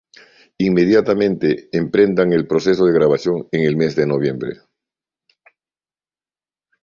Inmediatamente emprenden el proceso de grabación en el mes Noviembre.